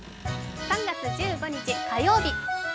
３月１５日火曜日